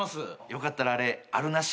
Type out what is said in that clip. よかったらあれあるなし